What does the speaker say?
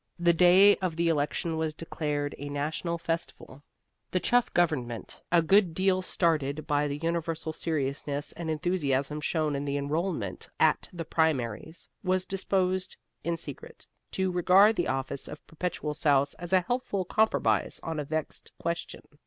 The day of the election was declared a national festival. The Chuff government, a good deal startled by the universal seriousness and enthusiasm shown in the enrollment at the primaries, was disposed (in secret) to regard the office of Perpetual Souse as a helpful compromise on a vexed question.